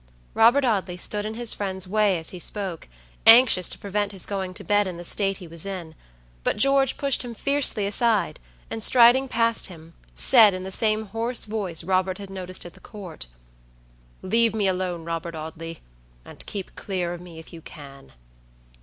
Robert Audley stood in his friend's way as he spoke, anxious to prevent his going to bed in the state he was in; but George pushed him fiercely aside, and, striding past him, said, in the same hoarse voice Robert had noticed at the Court: "Let me alone, Robert Audley, and keep clear of me if you can."